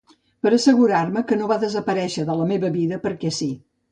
Per assegurar-me que no va desaparèixer de la meva vida perquè sí.